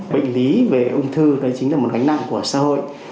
bệnh lý về ung thư đấy chính là một gánh nặng của xã hội